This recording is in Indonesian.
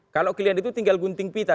kalau kalian itu tinggal gunting pita